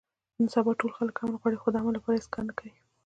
نن سبا ټول خلک امن غواړي، خو د امن لپاره هېڅ کار نه کوي.